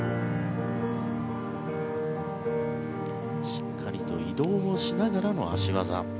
しっかり移動しながらの脚技。